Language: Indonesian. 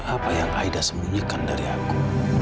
apa yang aida sembunyikan dari aku